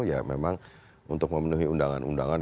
ya memang untuk memenuhi undangan undangan